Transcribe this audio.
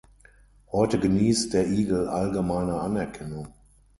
Heute genießt der Igel allgemeine Anerkennung.